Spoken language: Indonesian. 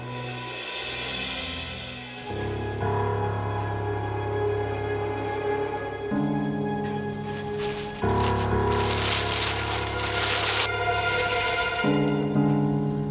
dengan juga itu